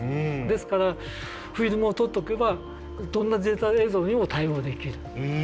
ですからフィルムを取っとけばどんなデータ映像にも対応できる。